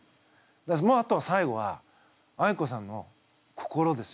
もうあと最後はあいこさんの心ですよ。